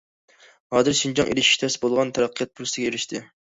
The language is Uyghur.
ھازىر شىنجاڭ ئېرىشىش تەس بولغان تەرەققىيات پۇرسىتىگە ئېرىشتى.